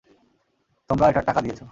তোমরা এটার টাকা দিয়েছো।